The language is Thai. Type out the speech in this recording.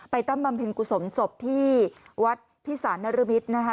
ตั้งบำเพ็ญกุศลศพที่วัดพิสารนรมิตรนะคะ